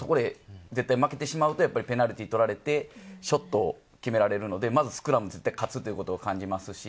負けてしまうとペナルティー取られて、ショットを決められるので、まずスクラムを絶対勝つというのを感じます。